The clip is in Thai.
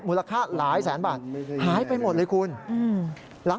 หลายแสนบาทหายไปหมดเลยคุณ